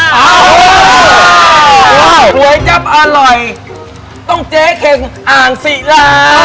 สวยจับอร่อยต้องเจ๊เข็งอ่างศิลา